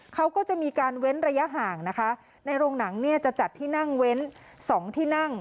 เขาก็จะมีการเว้นระยะห่างนะคะในโรงหนังเนี่ยจะจัดที่นั่งเว้นสองที่นั่ง